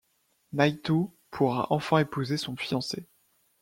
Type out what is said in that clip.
Naïtou pourra enfin épouser son fiancé.